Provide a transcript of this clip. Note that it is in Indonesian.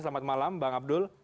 selamat malam bang abdul